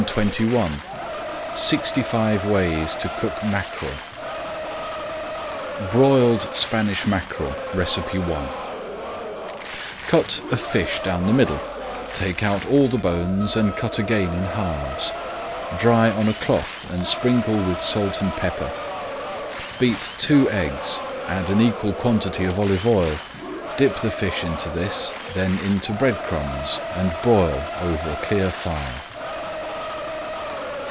[Page 209] SIXTY FIVE WAYS TO COOK MACKEREL BROILED SPANISH MACKEREL I Cut a fish down the middle, take out all the bones, and cut again in halves. Dry on a cloth and sprinkle with salt and pepper. Beat two eggs, add an equal quantity of olive oil, dip the fish into this, then into bread crumbs, and broil over a clear fire.